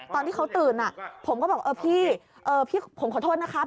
ตอนที่เขาตื่นผมก็บอกเออพี่พี่ผมขอโทษนะครับ